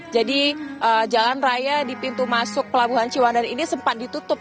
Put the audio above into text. jadi jalan raya di pintu masuk pelabuhan ciwan dan ini sempat ditutup